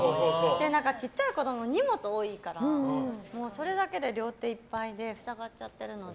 小さい子供は荷物が多いからそれだけで両手がいっぱいで塞がっちゃってるので。